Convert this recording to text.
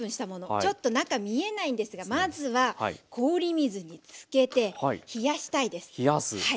ちょっと中見えないんですがまずは氷水につけて冷やしたいです。